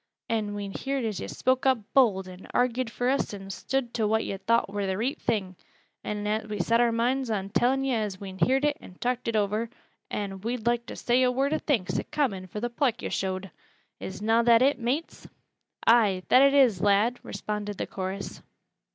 An' we heerd as yo' spoke up bold, an' argied for us an' stood to what yo' thowt war th' reet thing, an' we set our moinds on tellin' yo' as we'd heerd it an' talked it over, an' we'd loike to say a word o' thanks i' common fur th' pluck yo' showed. Is na that it, mates?" "Ay, that it is, lad!" responded the chorus.